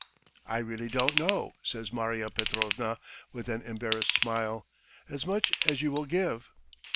"I really don't know ..." says Marya Petrovna with an embarrassed smile. "As much as you will give."